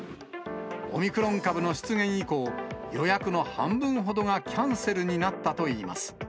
オミクロン株の出現以降、予約の半分ほどがキャンセルになったといいます。